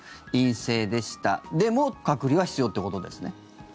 陰性でしたでも隔離は必要ってことですね？